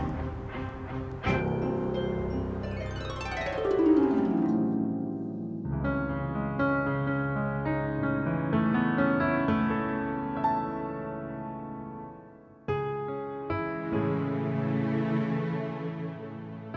cinta kamu sebesar ini sama aku